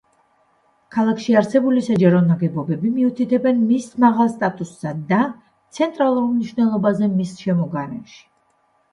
ქალაქში არსებული საჯარო ნაგებობები მიუთითებენ მის მაღალ სტატუსსა და ცენტრალურ მნიშვნელობაზე მის შემოგარენში.